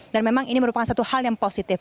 memang ini merupakan satu hal yang positif